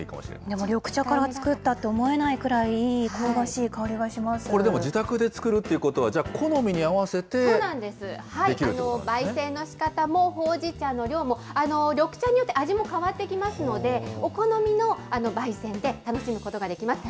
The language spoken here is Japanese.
でも緑茶から作ったと思えないくらい、これ、でも、自宅で作るってことは、好みに合わせてできるということなそうなんです、ばい煎のしかたも、ほうじ茶の量も、緑茶によって味も変わってきますので、お好みのばい煎で楽しむことができます。